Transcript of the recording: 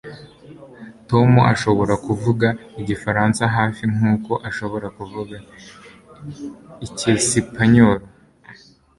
Tom ashobora kuvuga igifaransa hafi nkuko ashobora kuvuga icyesipanyoli